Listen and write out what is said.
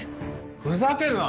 ふざけるな！